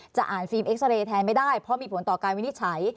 จะอ่านฟิล์มเอ็กซาเรย์แทนไม่ได้เพราะมีผลต่อการวินิจฉัย